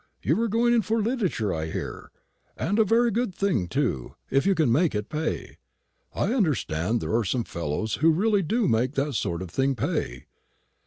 You're going in for literature, I hear; and a very good thing too, if you can make it pay. I understand there are some fellows who really do make that sort of thing pay.